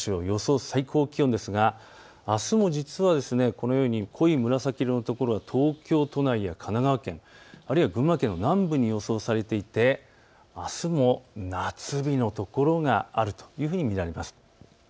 予想最高気温ですがあすも実はこのように濃い紫色のところ、東京都内や神奈川県、あるいは群馬県の南部に予想されていてあすも夏日の所があるというふうに見られます。